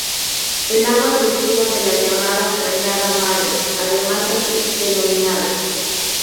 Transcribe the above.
El agua surgía de la llamada "Cañada Madre", además así denominada.